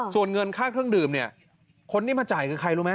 ส่วนเงินค่าเครื่องดื่มเนี่ยคนที่มาจ่ายคือใครรู้ไหม